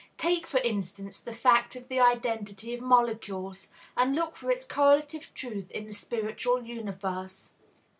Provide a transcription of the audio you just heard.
Take, for instance, the fact of the identity of molecules, and look for its correlative truth in the spiritual universe.